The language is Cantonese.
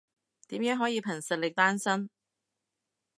點樣可以憑實力單身？